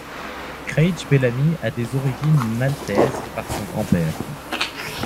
Craig Bellamy a des origines maltaises par son grand-père.